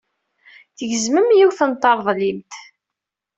Tgezmem yiwet n treḍlimt.